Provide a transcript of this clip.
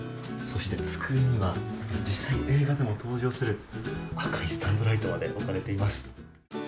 そして机には実際に映画にも登場する赤いスタンドライトまで置かれています。